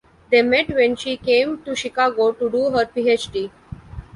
They met when she came to Chicago to do her PhD.